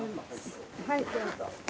はいどうぞ。